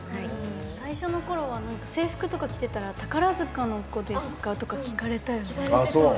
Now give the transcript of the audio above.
最初のころは制服とか着てたら宝塚の子ですか？とかって聞かれたよね。